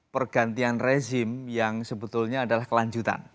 pergantian rezim yang sebetulnya adalah kelanjutan